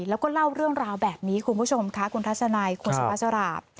แล้วก็เล่าเรื่องราวแบบนี้คุณผู้ชมค่ะคุณทัศนัยคุณสุภาษา